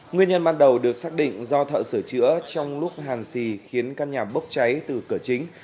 nguyên nhân ban đầu được xác định do thợ sửa chữa trong lúc hàn xì khiến căn nhà bốc cháy từ cửa chính